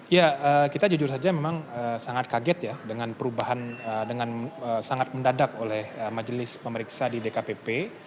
ya kita jujur saja memang sangat kaget ya dengan perubahan dengan sangat mendadak oleh majelis pemeriksa di dkpp